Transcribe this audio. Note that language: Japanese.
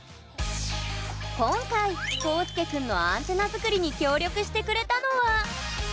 今回、コウスケ君のアンテナ作りに協力してくれたのは。